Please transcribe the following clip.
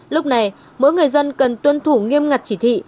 lúc này mỗi người dân cần tuân thủ nghiêm ngặt chỉ thị